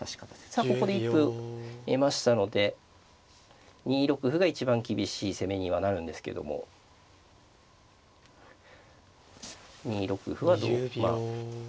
さあここで一歩得ましたので２六歩が一番厳しい攻めにはなるんですけども２六歩はまあ。